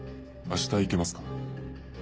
明日行けますか？」